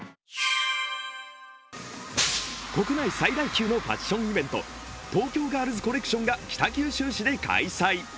国内最大級のファッションイベント、東京ガールズコレクションが北九州市で開催。